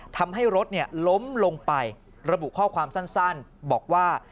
ทำให้รถล้มลงไประบุข้อความสั้นบอกว่า